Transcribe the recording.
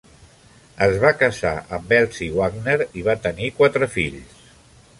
Es va casar amb Elsie Wagner i va tenir quatre fills.